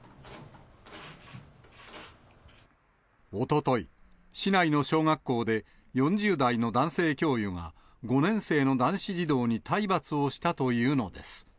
おととい、市内の小学校で、４０代の男性教諭が、５年生の男子児童に体罰をしたというのです。